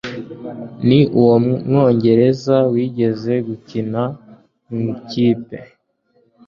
ni Umwongereza wigeze gukina mu ikipe